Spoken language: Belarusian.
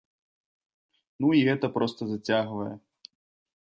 Ну, і гэта проста зацягвае.